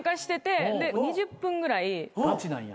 ガチなんや。